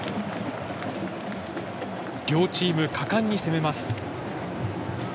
両チーム、果敢に攻めます。